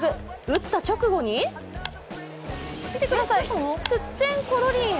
打った直後に見てください、すってんころりん。